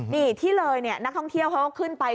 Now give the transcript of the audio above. นี่ที่เลยเนี่ยนักท่องเที่ยวเขาก็ขึ้นไป